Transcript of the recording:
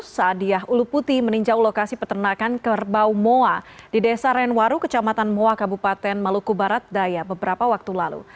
saadiah uluputi meninjau lokasi peternakan kerbau moa di desa renwaru kecamatan moa kabupaten maluku barat daya beberapa waktu lalu